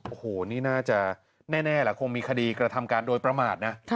โอ้โหนี่น่าจะแน่แหละคงมีคดีกระทำการโดยประมาทนะ